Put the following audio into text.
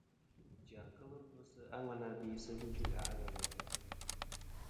Chia kel gvɨsi a ŋwena be sɨ dzvɨ gha' ghelɨ.